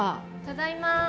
ただいま